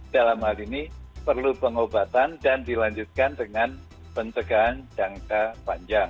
dalam hal ini perlu pengobatan dan dilanjutkan dengan pencegahan jangka panjang